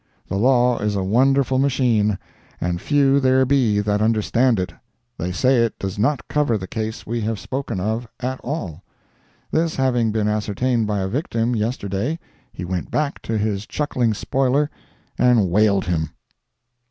The law is a wonderful machine, and few there be that understand it; they say it does not cover the case we have spoken of, at all. This having been ascertained by a victim, yesterday, he went back to his chuckling spoiler and whaled him.